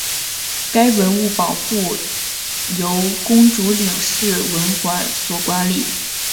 该文物保护单位由公主岭市文管所管理。